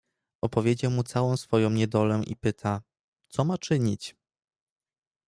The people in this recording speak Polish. "Opowiedział mu całą swoją niedolę i pyta, co ma czynić."